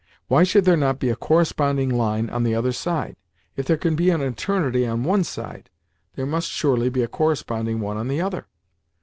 "Why should there not be a corresponding line on the other side? If there be an eternity on one side, there must surely be a corresponding one on the other?